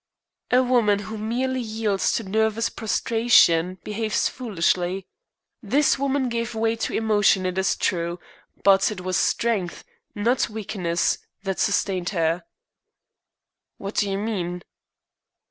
"A woman who merely yields to nervous prostration behaves foolishly. This woman gave way to emotion, it is true, but it was strength, not weakness, that sustained her." "What do you mean?"